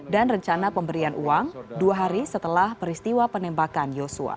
dan rencana pemberian uang dua hari setelah peristiwa penembakan yosua